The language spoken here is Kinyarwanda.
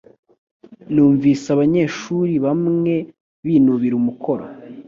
Numvise abanyeshuri bamwe binubira umukoro